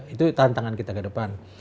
itu tantangan kita ke depan